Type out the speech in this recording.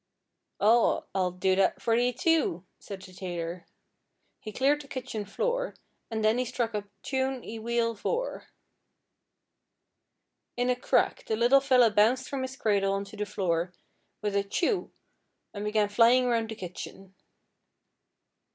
'Aw, I'll do that for thee, too,' said the tailor. He cleared the kitchen floor, and then he struck up 'Tune y wheeyl vooar.' In a crack the little fella bounced from his cradle on to the floor with a 'Chu!' and began flying round the kitchen.